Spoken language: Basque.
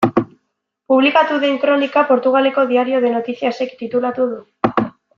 Publikatu den kronika Portugaleko Diario de Noticias-ek titulatu du.